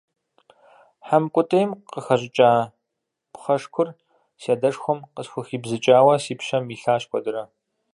Хьэмкӏутӏейм къыхэщӏыкӏа пхъэшкур си адэшхуэм къысхухибзыкӏауэ си пщэм илъащ куэдрэ.